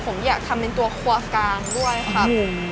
ผมอยากทำเป็นตัวครัวกลางด้วยครับ